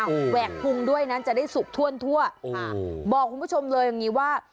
เอ้าแหวกพุงด้วยจะได้สุกท่วนทั่วอู๋หอบอกคุณผู้ชมเลยอย่างงี้ว่า